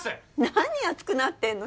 何熱くなってんの？